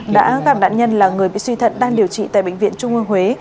đã gặp nạn nhân là người bị suy thận đang điều trị tại bệnh viện trung ương huế